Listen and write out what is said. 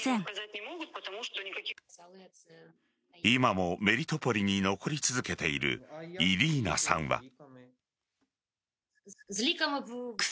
今もメリトポリに残り続けているイリーナさんは。